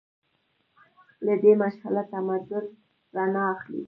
له دې مشعله تمدن رڼا اخلي.